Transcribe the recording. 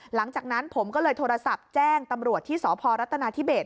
หลังจากนั้นผมก็เลยโทรศัพท์แจ้งตำรวจที่สพรัฐนาธิเบส